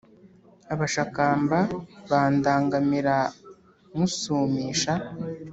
abashakamba bandangamira nywusumisha